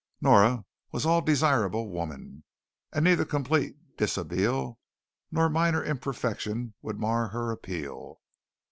Nora was all desirable woman, and neither complete dishabille nor minor imperfection would mar her appeal.